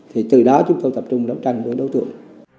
thì từ đó chúng tôi tập trung đấu tranh với đối tượng